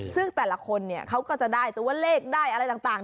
ซึ่งแต่ละคนเขาก็จะได้ตัวเลขได้อะไรต่าง